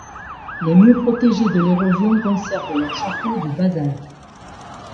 Les mieux protégées de l'érosion conservent leur chapeau de basalte.